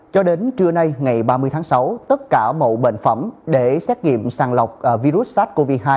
cho đến trưa nay ngày ba mươi tháng sáu tất cả mẫu bệnh phẩm để xét nghiệm sàng lọc virus sars cov hai